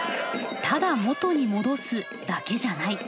ただ元に戻すだけじゃない。